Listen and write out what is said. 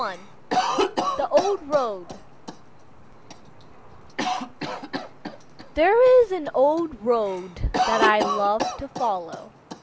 The Old Road There is an old road that I love to follow.